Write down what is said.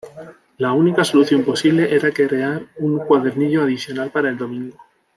La única solución posible era crear un cuadernillo adicional para el domingo.